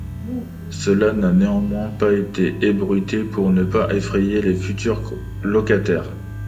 Cela n'a néanmoins pas été ébruité, pour ne pas effrayer les futurs locataires.